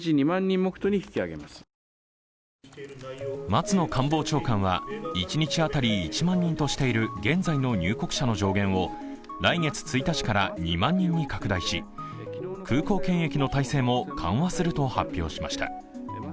松野官房長官は一日当たり１万人としている現在の入国者の上限を来月１日から２万人に拡大し空港検疫の体制も緩和すると発表しました。